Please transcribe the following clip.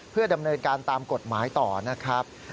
เพื่อดำเนินการตามกฎหมายต่อนะครับ